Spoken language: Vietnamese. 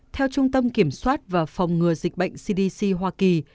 theo trung tâm kiểm soát và phòng ngừa dịch bệnh cdc hoa kỳ